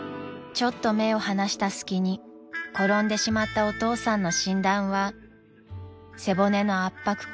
［ちょっと目を離した隙に転んでしまったお父さんの診断は］